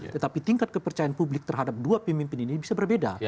tetapi tingkat kepercayaan publik terhadap dua pemimpin ini bisa berbeda